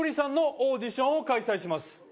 「オーディションを開催します」